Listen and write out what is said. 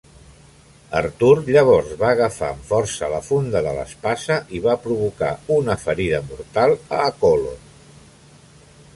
Artur, llavors, va agafar amb força la funda de l'espasa i va provocar una ferida mortal a Accolon.